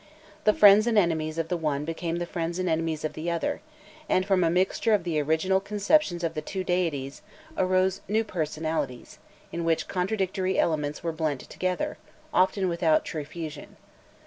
The friends and enemies of the one became the friends and enemies of the other, and from a mixture of the original conceptions of the two deities, arose new personalities, in which contradictory elements were blent together, often without true fusion.